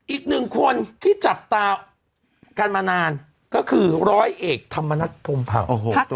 อีกหนึ่งคนที่จับตากันมานานก็คือร้อยเอกธรรมนัฐพรมเผา